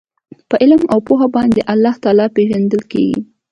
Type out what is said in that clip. په علم او پوهه باندي الله تعالی پېژندل کیږي